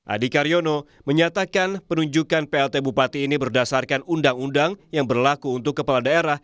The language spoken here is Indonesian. adi karyono menyatakan penunjukan plt bupati ini berdasarkan undang undang yang berlaku untuk kepala daerah